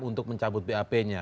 untuk mencabut bap nya